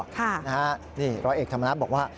ค่ะนะฮะนี่ร้อยเอกธรรมนัฐบอกว่า